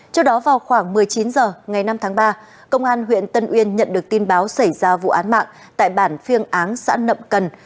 trước đó vào khoảng một mươi chín h ngày năm tháng ba công an huyện tân uyên nhận được tin báo xảy ra vụ án mạng tại bản phiêng áng xã nậm cần